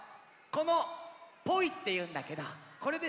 このポイっていうんだけどこれでさ